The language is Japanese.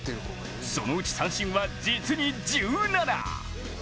そのうち、三振は実に１７！